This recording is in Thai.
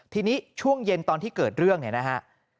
ทีนี้ช่วงเย็นตอนที่เกิดเรื่องเนี่ยนะฮะ